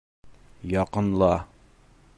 Яҡынла.